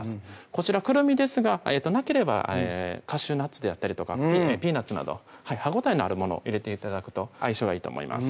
こちらくるみですがなければカシューナッツであったりとかピーナツなど歯応えのあるもの入れて頂くと相性がいいと思います